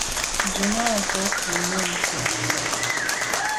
Tswemanko’ vù mum nenà.